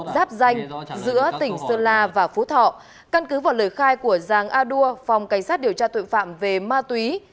giáp danh giữa tỉnh sơn la và phú thọ căn cứ vào lời khai của giang a đua phòng cảnh sát điều tra tội phạm về ma túy